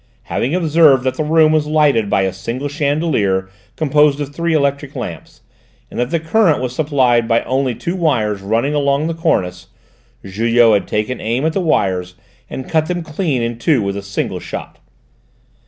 Having observed that the room was lighted by a single chandelier composed of three electric lamps, and that the current was supplied by only two wires running along the cornice, Julot had taken aim at the wires and cut them clean in two with a single shot!